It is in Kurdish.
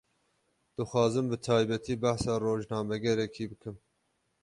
Dixwazim bi taybetî, behsa rojnamegerekî bikim